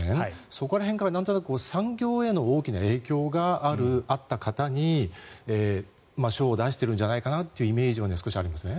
そこら辺からなんとなく産業への大きな影響があった方に賞を出しているんじゃないかなというイメージはありますね。